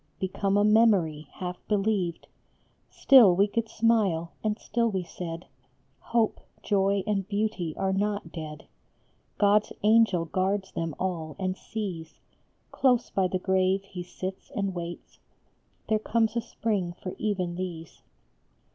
Become a memory, half believed ; Still we could smile, and still we said, " Hope, joy, and beauty are not dead ; God s angel guards them all and sees Close by the grave he sits and waits There comes a spring for even these."